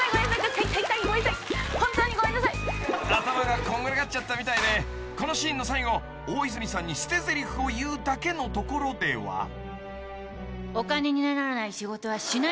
［頭がこんがらがっちゃったみたいでこのシーンの最後大泉さんに捨てぜりふを言うだけのところでは］